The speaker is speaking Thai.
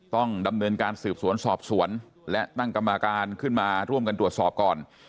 ต้องดำเนินการสืบสวนสอบสวนและตั้งกรรมการขึ้นมาร่วมกันตรวจสอบก่อน